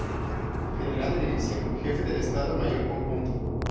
General de División Jefe del Estado Mayor Conjunto.